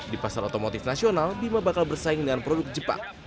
di pasar otomotif nasional bima bakal bersaing dengan produk jepang